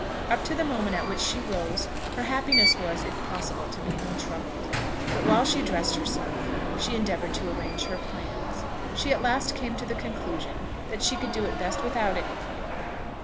Up to the moment at which she rose her happiness was, if possible, to be untroubled. But while she dressed herself, she endeavoured to arrange her plans. She at last came to the conclusion that she could do it best without any plan.